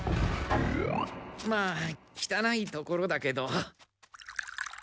まあきたない所だけど。